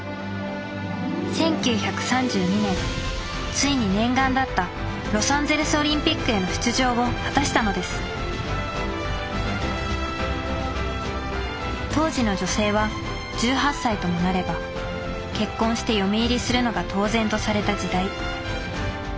１９３２年ついに念願だったロサンゼルスオリンピックへの出場を果たしたのです当時の女性は１８歳ともなれば結婚して嫁入りするのが当然とされた時代。